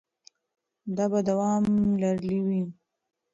دا به دوام لرلی وي.